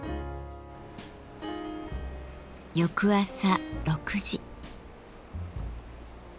翌朝６時。